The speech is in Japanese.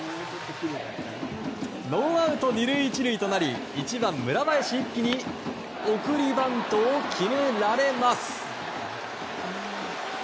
ノーアウト２塁１塁となり１番、村林一輝に送りバントを決められます。